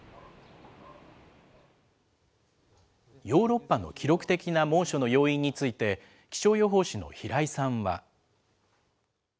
ヨーロッパの記録的な猛暑の要因について、気象予報士の平井さんは。